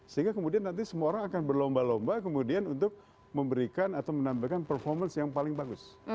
sehingga kemudian nanti semua orang akan berlomba lomba kemudian untuk memberikan atau menambahkan performance yang paling bagus